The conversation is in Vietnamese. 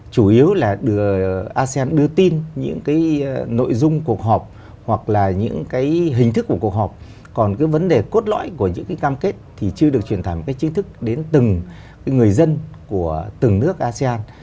chủ yếu là được asean đưa tin những cái nội dung cuộc họp hoặc là những cái hình thức của cuộc họp còn cái vấn đề cốt lõi của những cái cam kết thì chưa được truyền tải một cách chính thức đến từng người dân của từng nước asean